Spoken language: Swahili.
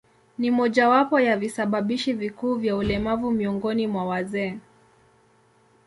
Ni mojawapo ya visababishi vikuu vya ulemavu miongoni mwa wazee.